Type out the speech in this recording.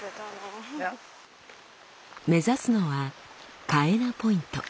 目指すのはカエナ・ポイント。